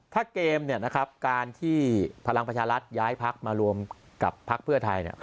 ถ้าเกมการที่พลังประชารัฐย้ายพักมารวมกับพักเพื่อไทย